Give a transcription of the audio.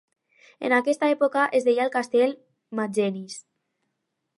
En aquesta època, es deia el castell Magennis.